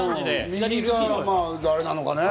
左が誰なのかね？